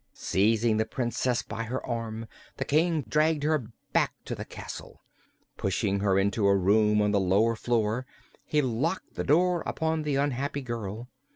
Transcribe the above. Seizing the Princess by her arm the King dragged her back to the castle. Pushing her into a room on the lower floor he locked the door upon the unhappy girl.